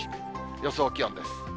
予想気温です。